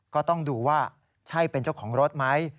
ก็ต้องดูว่าใช่เป็นเจ้าของรถไหม